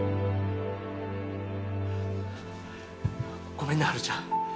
ごめんね春ちゃん。